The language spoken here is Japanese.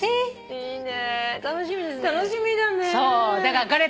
いいね！